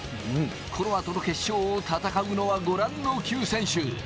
この後の決勝を戦うのはご覧の９選手。